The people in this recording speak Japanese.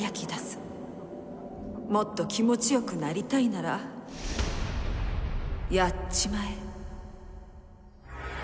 もっと気持ちよくなりたいならやっちまえ！